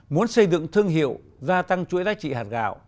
muốn xây dựng thương hiệu gia tăng chuỗi giá trị hạt gạo